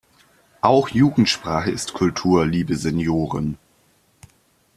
Auch Jugendsprache ist Kultur, liebe Senioren!